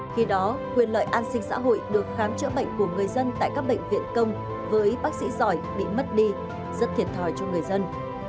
khi đó quyền lợi an sinh xã hội được khám chữa bệnh của người dân tại các bệnh viện công với bác sĩ giỏi bị mất đi rất thiệt thòi cho người dân